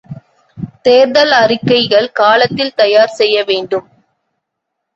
தேர்தல் அறிக்கைகள் காலத்தில் தயார் செய்ய வேண்டும்.